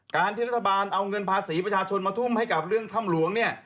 การที่รัฐบาลเอาเงินภาษีประชาชนมาทุ่มให้กับเรื่องถ้ำหลวงเนี่ย